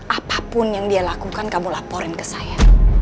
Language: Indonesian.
apapun yang dia lakukan kamu laporin ke saya